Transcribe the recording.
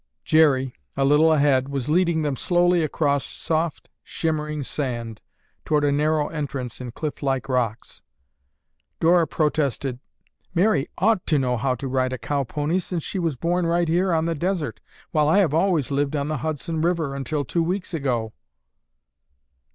Jerry, a little ahead, was leading them slowly across soft shimmering sand toward a narrow entrance in cliff like rocks. Dora protested, "Mary ought to know how to ride a cow pony since she was born right here on the desert while I have always lived on the Hudson River until two weeks ago."